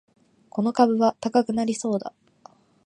この株は高くなりそうだ